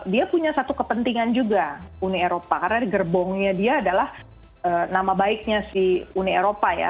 dia punya satu kepentingan juga uni eropa karena gerbongnya dia adalah nama baiknya si uni eropa ya